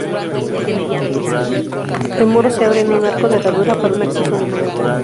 El muro se abre en un arco de herradura para un acceso monumental.